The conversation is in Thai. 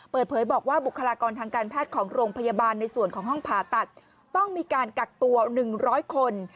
เปิดเผยบอกว่าบุคลากรทางการแพทย์ของโรงพยาบาลในส่วนของห้องผ่าตัดต้องมีการกักตัว๑๐๐คน